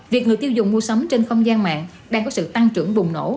việc người tiêu dùng mua sắm trên không gian mạng đang có sự tăng trưởng bùng nổ